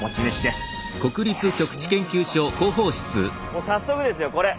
もう早速ですよこれ！